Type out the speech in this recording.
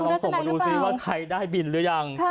เออเอาลองผมมาดูซิว่าใครได้บินหรือยัง